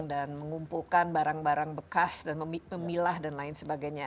dan mengumpulkan barang barang bekas dan memilah dan lain sebagainya